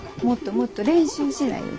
もっともっと練習しな」